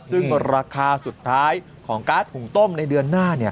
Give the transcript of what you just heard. ซึ่งราคาสุดท้ายของการ์ดหุงต้มในเดือนหน้า